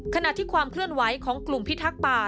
ขณะที่ความเคลื่อนไหวของกลุ่มพิทักษ์ป่า